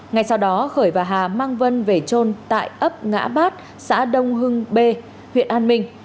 ngay sau đó khởi và hà mang vân về trôn tại ấp ngã bát xã đông hưng bê huyện an minh